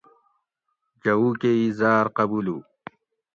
جوؤ کہ ای زاۤر قبولو